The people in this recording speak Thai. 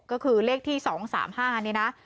ก็คือเลขที่๒๓๕นี่นะ